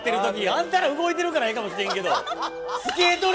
あんたら動いてるからええかもしれんけど。